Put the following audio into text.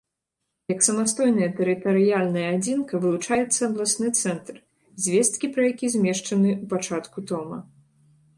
Як самастойная тэрытарыяльная адзінка вылучаецца абласны цэнтр, звесткі пра які змешчаны ў пачатку тома.